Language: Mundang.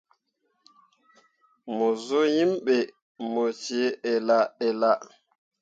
Mo zuu yim be mo cii ella ella.